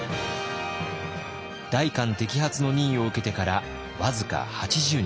代官摘発の任を受けてから僅か８０日。